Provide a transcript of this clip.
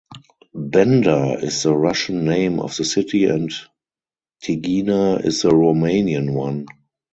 Bender is the Russian name of the city and Tighina is the Romanian one.